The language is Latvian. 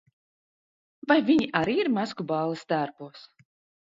Vai viņi arī ir maskuballes tērpos?